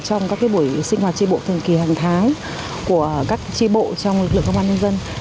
trong các buổi sinh hoạt tri bộ thường kỳ hàng tháng của các tri bộ trong lực lượng công an nhân dân